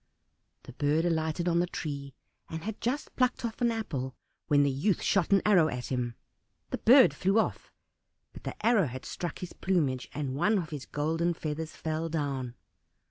The bird alighted on the tree, and had just plucked off an apple, when the youth shot an arrow at him. The bird flew off, but the arrow had struck his plumage, and one of his golden feathers fell down.